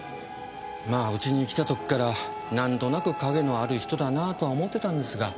まあうちに来た時からなんとなく陰のある人だなぁとは思ってたんですが。